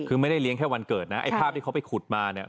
คือไม่ได้เลี้ยงแค่วันเกิดนะไอ้ภาพที่เขาไปขุดมาเนี่ย